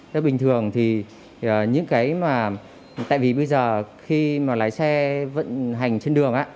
nó bình thường thì những cái mà tại vì bây giờ khi mà lái xe vận hành trên đường